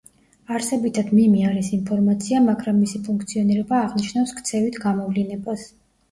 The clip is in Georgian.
არსებითად მიმი არის ინფორმაცია, მაგრამ მისი ფუნქციონირება აღნიშნავს ქცევით გამოვლინებას.